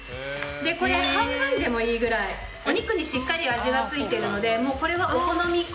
これ、半分でもいいぐらい、お肉にしっかり味がついてるのでもうこれはお好み。